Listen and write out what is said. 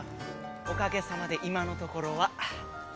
おかげさまで今のところは。